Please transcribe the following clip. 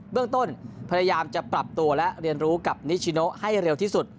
เรื่องต้นพยายามจะปรับตัวและเรียนรู้กับนิชิโนให้เร็วที่สุด